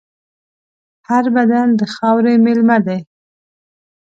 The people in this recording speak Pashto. هر بدن د خاورې مېلمه دی.